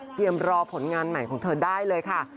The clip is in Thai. รอผลงานใหม่ของเธอได้เลยค่ะ